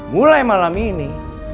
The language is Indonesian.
mulai malam ini